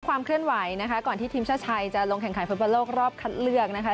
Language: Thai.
ความเคลื่อนไหวนะคะก่อนที่ทีมชาติไทยจะลงแข่งขันฟุตบอลโลกรอบคัดเลือกนะคะ